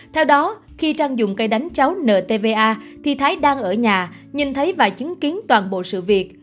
theo đó khi trang dùng cây đánh cháu ntva thì thái đang ở nhà nhìn thấy và chứng kiến toàn bộ sự việc